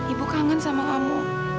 ibu kangen sama kamu